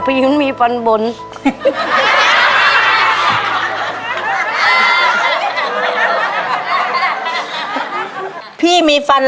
พี่น้องมีพันร่างพี่ยุ้นมีพันบน